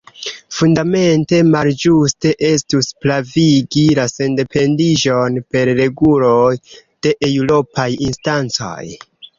Fundamente malĝuste estus pravigi la sendependiĝon per reguloj de eŭropaj instancoj.